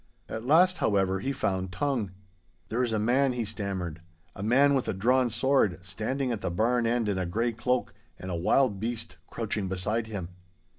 At last however he found tongue. 'There is a man,' he stammered, 'a man with a drawn sword, standing at the barn end in a grey cloak, and a wild beast crouching beside him.